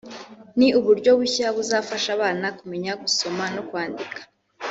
ni uburyo bushya buzafasha abana kumenya gusoma no kwandika